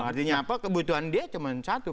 artinya apa kebutuhan dia cuma satu